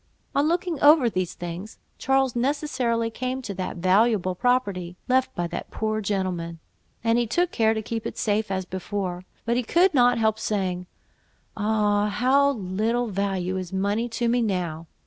On looking over these things, Charles necessarily came to that valuable property, left by that poor gentleman, and he took care to keep it safe as before; but he could not help saying—"Ah! of how little value is money to me now!